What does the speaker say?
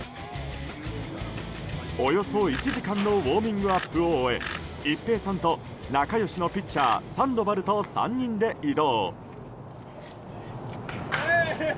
およそ１時間のウォーミングアップを終え一平さんと、仲良しのピッチャーサンドバルと３人で移動。